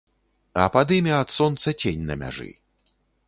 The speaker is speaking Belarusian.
А пад імі ад сонца цень на мяжы.